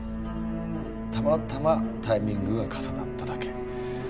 たまたまタイミングが重なっただけ